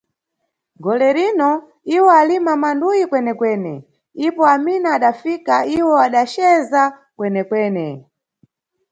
Golerino, iwo alima manduyi kwenekwene, ipo Amina adafika, iwo adaceza kwenekwene.